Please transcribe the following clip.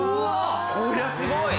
こりゃすごい！